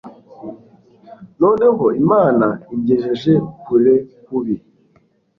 noneho imana ingejeje kure kubi